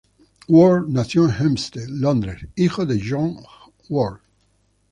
Ward nació en Hampstead, Londres, hijo de John Ward.